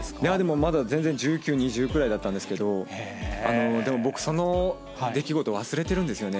まだ全然、１９、２０くらいだったんですけど、でも僕、その出来事を忘れてるんですよね。